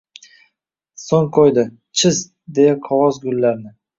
So’ng qo’ydi, “Chiz!” deya qog’oz gullarni.